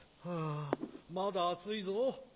はあまだ暑いぞ。